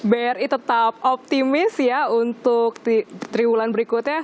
bri tetap optimis ya untuk triwulan berikutnya